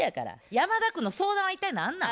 山田君の相談は一体何なん？